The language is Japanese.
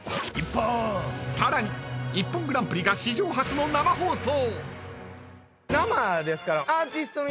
［さらに『ＩＰＰＯＮグランプリ』が史上初の生放送］